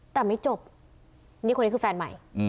แต่ไม่จบนี่คนนี้คือแฟนใหม่